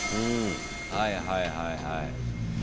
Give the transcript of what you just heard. はいはいはいはい。